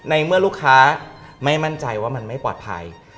ในเมื่อลูกค้าไม่มั่นใจว่ามันไม่ปลอดภัย